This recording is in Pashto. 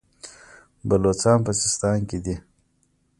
بلوڅان په سیستان کې دي.